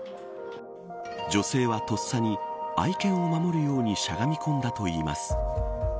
女性はとっさに愛犬を守るようにしゃがみ込んだといいます。